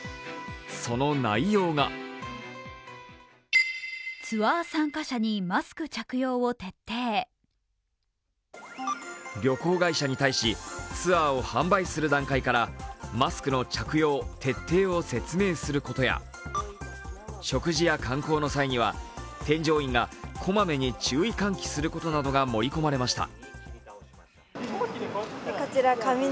その内容が旅行会社に対しツアーを販売する段階からマスクの着用・徹底を説明することや食事や観光の際には、添乗員がこまめに注意喚起することなどが盛り込まれました。